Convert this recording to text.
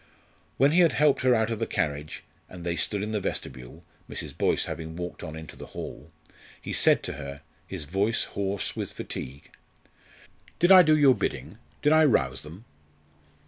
When he had helped her out of the carriage, and they stood in the vestibule Mrs. Boyce having walked on into the hall he said to her, his voice hoarse with fatigue: "Did I do your bidding, did I rouse them?"